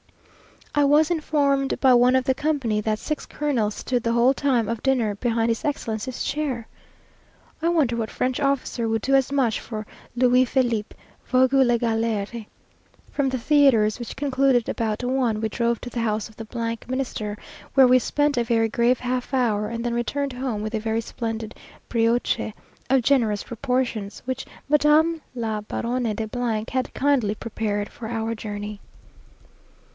I was informed by one of the company, that six colonels stood the whole time of dinner behind his Excellency's chair! I wonder what French officer would do as much for Louis Philippe! Vogue la galere! From the theatre, which concluded about one, we drove to the house of the Minister, where we spent a very grave half hour, and then returned home with a very splendid brioche, of generous proportions, which Madame la Baronne de had kindly prepared for our journey.